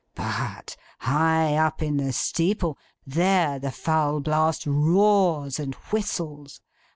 But, high up in the steeple! There the foul blast roars and whistles!